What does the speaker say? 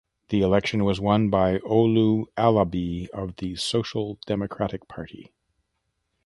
The election was won by Olu Alabi of the Social Democratic Party.